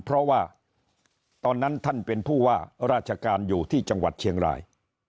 เพราะว่าตอนนั้นท่านเป็นผู้ว่าราชการอยู่ที่จังหวัดเชียงราย